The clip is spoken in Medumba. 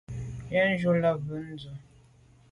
Yen ju là be à ndù.